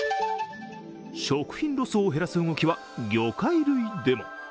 食品ロスを減らす動きは魚介類でも。